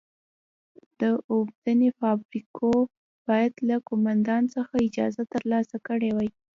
د اوبدنې فابریکو باید له قومندان څخه اجازه ترلاسه کړې وای.